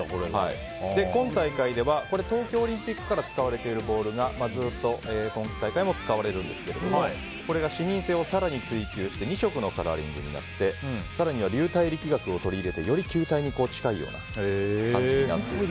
今大会では東京オリンピックから使われているボールがずっと今大会も使われるんですがこれが視認性を更に追求して２色のカラーリングになって更には流体力学を取り入れてより球体に近いような形になっている。